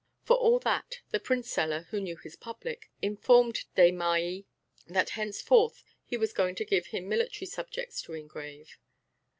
For all that, the printseller, who knew his public, informed Desmahis that henceforward he was going to give him military subjects to engrave.